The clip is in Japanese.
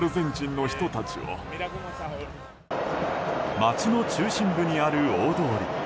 街の中心部にある大通り。